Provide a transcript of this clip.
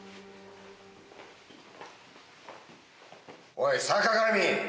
・おい坂上。